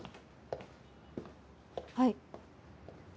はい。